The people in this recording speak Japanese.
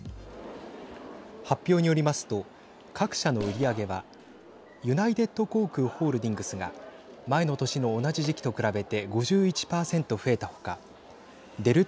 発表によりますと各社の売り上げはユナイテッド航空ホールディングスが前の年の同じ時期と比べて５１％増えた他デルタ